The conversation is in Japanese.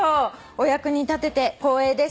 お役に立てて光栄です。